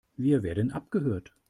Wir werden abgehört.